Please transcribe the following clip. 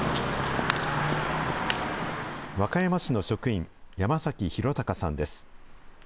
和歌山市の職員、山崎浩敬さんです。